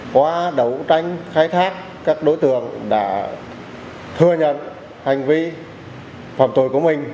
qua đấu tranh khai thác các đối tượng đã thừa nhận hành vi phạm tội của mình